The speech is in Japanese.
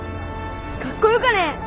かっこよかね。